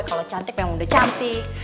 kalau cantik memang udah cantik